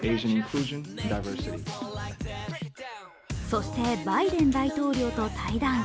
そしてバイデン大統領と対談。